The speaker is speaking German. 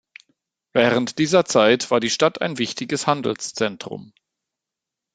Während dieser Zeit war die Stadt ein wichtiges Handelszentrum.